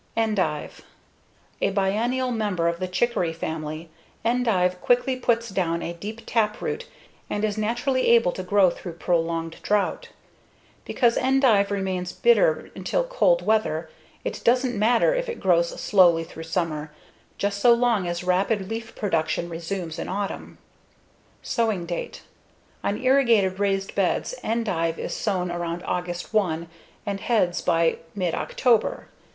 Endive A biennial member of the chicory family, endive quickly puts down a deep taproot and is naturally able to grow through prolonged drought. Because endive remains bitter until cold weather, it doesn't matter if it grows slowly through summer, just so long as rapid leaf production resumes in autumn. Sowing date: On irrigated raised beds endive is sown around August 1 and heads by mid October.